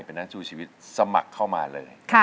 เป็นนักสู้ชีวิตสมัครเข้ามาเลย